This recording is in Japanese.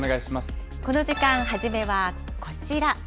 この時間、はじめはこちら。